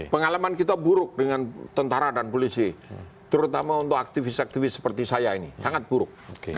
pengalaman kita buruk dengan tentara dan polisi terutama untuk aktivis aktivis seperti saya ini sangat buruk